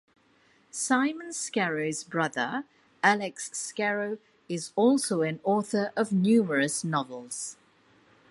Simon Scarrow's brother, Alex Scarrow, is also an author of numerous novels.